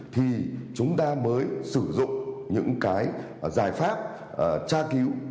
thì chúng ta mới sử dụng những cái giải pháp tra cứu